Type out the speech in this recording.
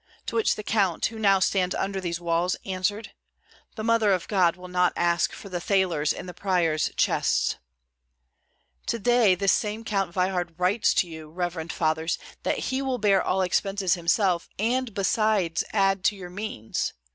to which the count, who now stands under these walls, answered, 'The Mother of God will not ask for the thalers in the priors' chests.' To day this same Count Veyhard writes to you, reverend fathers, that he will bear all expenses himself, and besides add to your means.